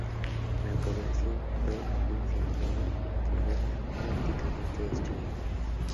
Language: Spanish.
La población fue incendiada, y quedó prácticamente destruida.